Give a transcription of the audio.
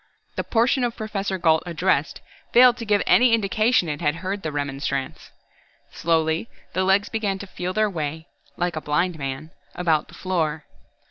The portion of Professor Gault addressed failed to give any indication it had heard the remonstrance. Slowly, the legs began to feel their way, like a blind man, about the floor.